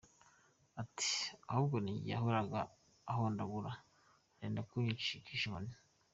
Ati “Ahubwo ni jye yahoraga ahondagura, arenda kunyicisha inkoni.